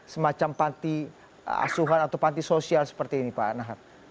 semacam panti asuhan atau panti sosial seperti ini pak nahar